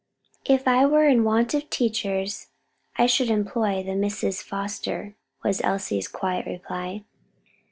"If I were in want of teachers, I should employ the Misses Foster," was Elsie's quiet reply.